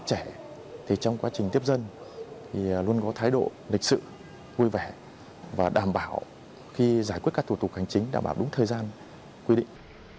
để người dân lên giải quyết các thủ tục hành chính đảm bảo đúng thời gian quy định